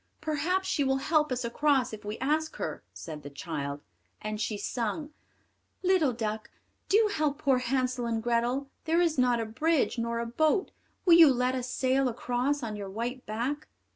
"Perhaps she will help us across if we ask her," said the child; and she sung, "Little duck, do help poor Hansel and Grethel; there is not a bridge, nor a boat will you let us sail across on your white back?"